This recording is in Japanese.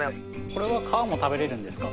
これは皮も食べれるんですか？